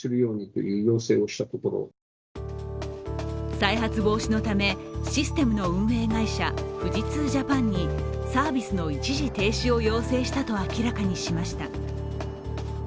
再発防止のため、システムの運営会社、富士通Ｊａｐａｎにサービスの一時停止を要請したと明らかにしました。